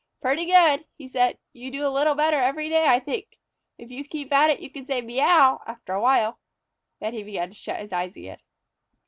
"Pretty good!" he said. "You do a little better every day I think. If you keep at it you can say 'Meouw' after a while." Then he began to shut his eyes again.